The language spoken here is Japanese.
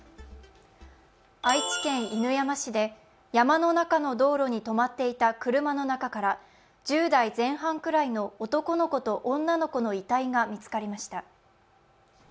愛知県犬山市で山の中の道路に止まっていた車の中から１０代前半くらいの男の子と女の子の遺体が見つかりました。